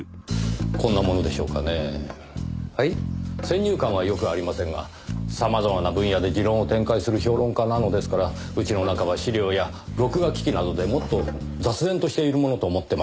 先入観はよくありませんが様々な分野で持論を展開する評論家なのですから家の中は資料や録画機器などでもっと雑然としているものと思ってました。